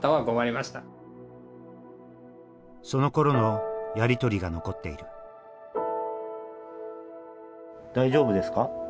そのころのやり取りが残っている「大丈夫ですか？」。